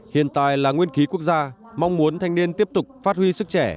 hiện tại là nguyên khí quốc gia mong muốn thanh niên tiếp tục phát huy sức trẻ